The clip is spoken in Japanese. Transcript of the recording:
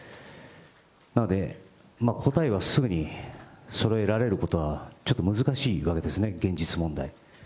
なので、答えはすぐにそろえられることはちょっと難しいわけですね、現実問題。